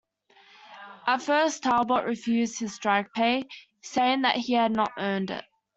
At first Talbot refused his strike pay, saying that he had not earned it.